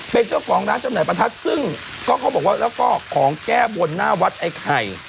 เป็นเจ้าของร้านจำหน่ายประทัดซึ่งก็เขาบอกว่าแล้วก็ของแก้บนหน้าวัดไอ้ไข่